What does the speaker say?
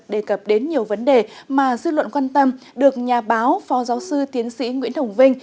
đề cập đến nhiều vấn đề mà dư luận quan tâm được nhà báo phó giáo sư tiến sĩ nguyễn thổng vinh